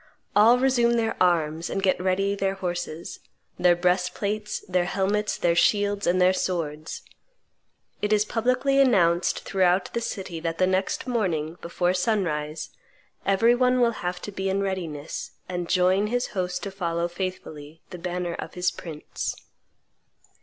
All resume their arms, and get ready their horses, their breastplates, their helmets, their shields, and their swords. It is publicly announced throughout the city that the next morning, before sunrise, every one will have to be in readiness, and join his host to follow faithfully the banner of his prince."